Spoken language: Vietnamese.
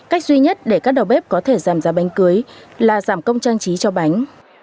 cách duy nhất để các đầu bếp có thể giảm giá bánh cưới là giảm công trang trí cho bánh